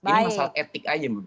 ini masalah etik aja